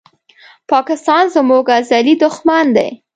پاکستان زموږ ازلي دښمن دی